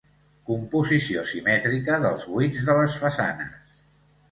Composició simètrica dels buits de les façanes.